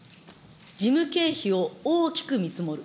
事務経費を大きく見積もる。